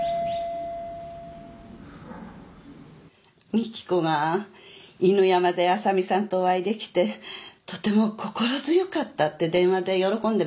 ☎三喜子が犬山で浅見さんとお会いできてとても心強かったって電話で喜んでました。